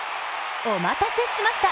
お待たせしました